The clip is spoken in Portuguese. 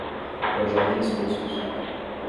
projéteis russos